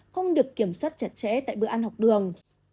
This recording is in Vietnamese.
không được kiểm soát chặt chẽ tại bữa ăn học đường